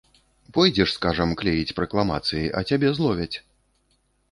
Пойдзеш, скажам, клеіць пракламацыі, а цябе зловяць.